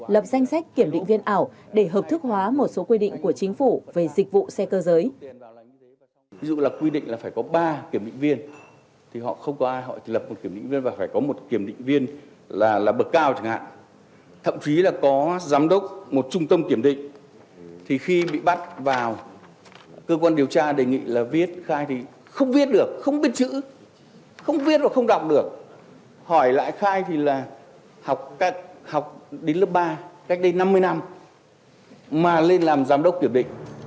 lập danh sách kiểm định viên ảo để hợp thức hóa một số quy định của chính phủ về dịch vụ xe cơ giới